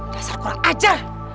dasar kurang ajar